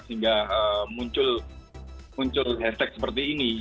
sehingga muncul hashtag seperti ini